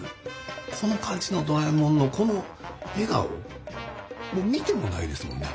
この感じのドラえもんのこの笑顔見てもないですもんね。